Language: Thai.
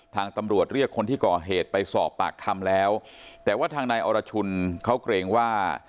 ทางตำรวจเรียกคนที่ก่อเหตุไปสอบปากคำแล้วแต่ว่าทางนายอรชุนเขาเกรงว่า